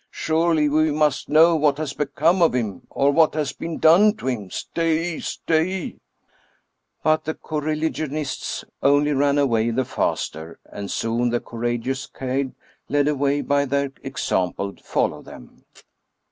Surely we must know what has become of him, or what has been done to him. Stay ! stay !" But the coreligionists only ran away the faster, and soon 231 True Stories of Modern Magic the courageous cald, led away by their example, followed them.